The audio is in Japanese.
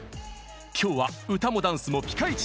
今日は歌もダンスもピカイチ！